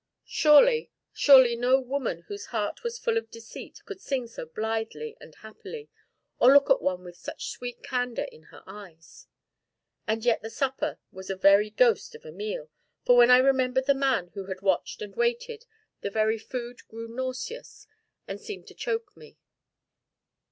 Surely, surely no woman whose heart was full of deceit could sing so blithely and happily, or look at one with such sweet candor in her eyes? And yet the supper was a very ghost of a meal, for when I remembered the man who had watched and waited, the very food grew nauseous and seemed to choke me.